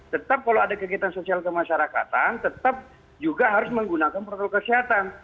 tetap kalau ada kegiatan sosial kemasyarakatan tetap juga harus menggunakan protokol kesehatan